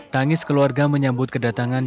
tangis keluarga menyambut kedatangan